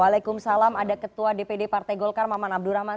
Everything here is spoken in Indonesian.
waalaikumsalam ada ketua dpd partai golkar maman abdurrahman